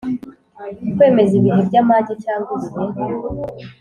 Kwemeza ibihe by’amage cyangwa ibihe